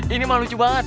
ini mah lucu banget